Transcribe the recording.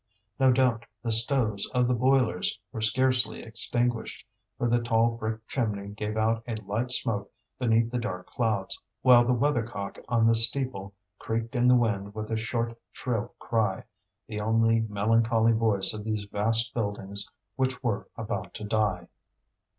No doubt the stoves of the boilers were scarcely extinguished, for the tall brick chimney gave out a light smoke beneath the dark clouds; while the weathercock on the steeple creaked in the wind with a short, shrill cry, the only melancholy voice of these vast buildings which were about to die.